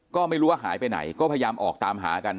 ก็ไม่รู้ว่าหายไปไหนก็พยายามออกตามหากัน